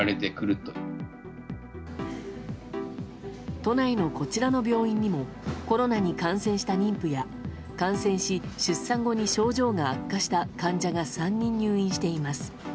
都内のこちらの病院にもコロナに感染した妊婦や感染し、出産後に症状が悪化した患者が３人入院しています。